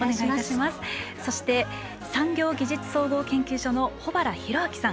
そして、産業技術総合研究所の保原浩明さん。